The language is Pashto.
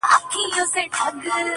خدایه زموږ ژوند په نوي کال کي کړې بدل،